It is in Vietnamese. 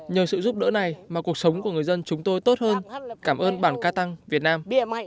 nhờ sự giúp đỡ này mà cuộc sống của người dân chúng tôi tốt hơn cảm ơn bản ca tăng việt nam